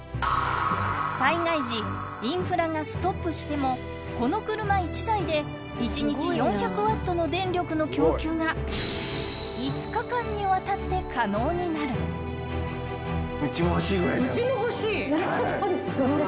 災害時インフラがストップしてもこの車１台で１日４００ワットの電力の供給が５日間にわたって可能になるうちも欲しいぐらいだようちも欲しい！